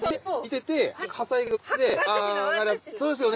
そうですよ。